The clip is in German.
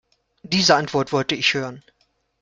Diese Antwort wollte ich hören.